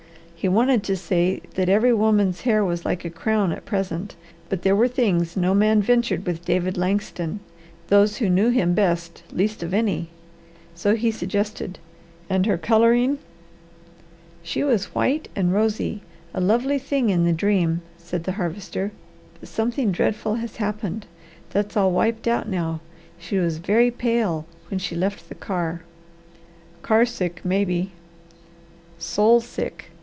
He wanted to say that every woman's hair was like a crown at present, but there were things no man ventured with David Langston; those who knew him best, least of any. So he suggested, "And her colouring?" "She was white and rosy, a lovely thing in the dream," said the Harvester, "but something dreadful has happened. That's all wiped out now. She was very pale when she left the car." "Car sick, maybe." "Soul sick!"